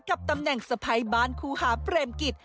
กับตำแหน่งสะพ้ายบ้านครูหาเปรมกิจ